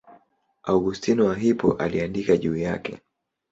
Augustino wa Hippo aliandika juu yake.